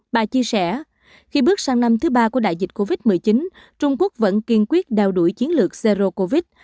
bà chia sẻ khi bước sang năm thứ ba của đại dịch covid một mươi chín trung quốc vẫn kiên quyết đào đuổi chiến lược zero covid